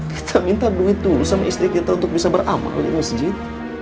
kita minta duit dulu sama istri kita untuk bisa beramal di masjid